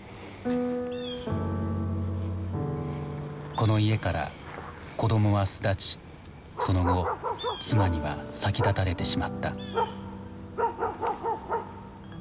この家から子どもは巣立ちその後妻には先立たれてしまった。